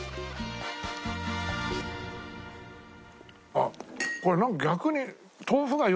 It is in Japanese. あっこれなんか逆に。